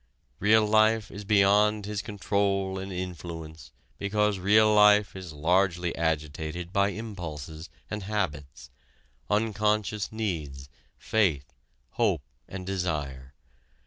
Real life is beyond his control and influence because real life is largely agitated by impulses and habits, unconscious needs, faith, hope and desire.